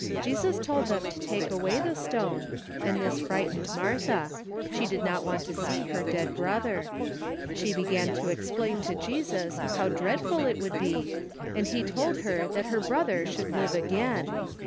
Jesus told them to take away the stone, and this frightened Martha; she did not want to see her dead brother. She began to explain to Jesus how dreadful it would be, and he told her that her brother should live again.